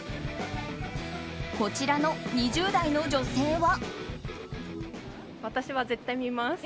こちらの２０代の女性は。